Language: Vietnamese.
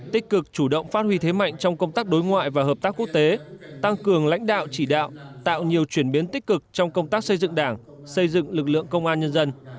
tích cực chủ động phát huy thế mạnh trong công tác đối ngoại và hợp tác quốc tế tăng cường lãnh đạo chỉ đạo tạo nhiều chuyển biến tích cực trong công tác xây dựng đảng xây dựng lực lượng công an nhân dân